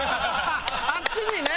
あっちにね。